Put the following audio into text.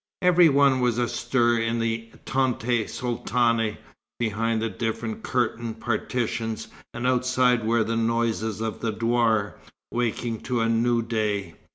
Every one was astir in the tente sultane, behind the different curtain partitions, and outside were the noises of the douar, waking to a new day.